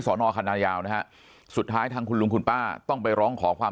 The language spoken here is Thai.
นอคันนายาวนะฮะสุดท้ายทางคุณลุงคุณป้าต้องไปร้องขอความ